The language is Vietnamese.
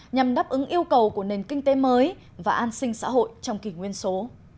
nhằm đáp ứng yêu cầu của nền kinh tế mới và an sinh xã hội trong kỷ nguyên số